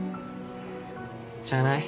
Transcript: じゃない？